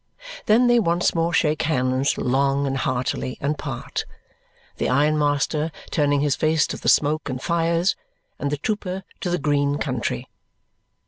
Then they once more shake hands long and heartily and part, the ironmaster turning his face to the smoke and fires, and the trooper to the green country.